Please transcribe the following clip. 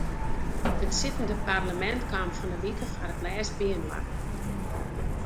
It sittende parlemint kaam fan ’e wike foar it lêst byinoar.